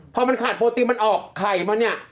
พอมันขาดโปรตีนมันออกไข่มาเนี่ย